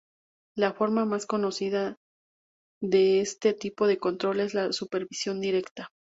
La forma más conocida de este tipo de control es la supervisión directa.